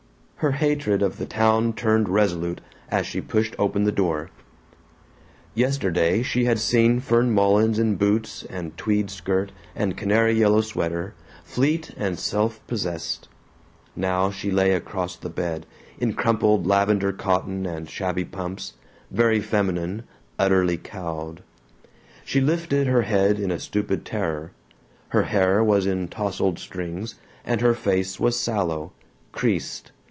Her hatred of the town turned resolute as she pushed open the door. Yesterday she had seen Fern Mullins in boots and tweed skirt and canary yellow sweater, fleet and self possessed. Now she lay across the bed, in crumpled lavender cotton and shabby pumps, very feminine, utterly cowed. She lifted her head in stupid terror. Her hair was in tousled strings and her face was sallow, creased.